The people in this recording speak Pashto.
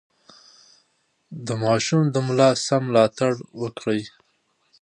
د ماشوم د ملا سم ملاتړ وکړئ.